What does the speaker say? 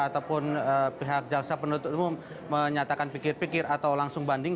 ataupun pihak jasa penutup menyatakan pikir pikir atau langsung banding